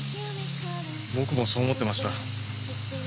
僕もそう思ってました。